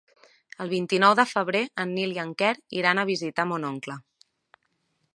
El vint-i-nou de febrer en Nil i en Quer iran a visitar mon oncle.